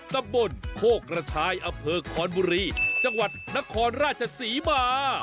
ตำบลโคกระชายอำเภอคอนบุรีจังหวัดนครราชศรีมา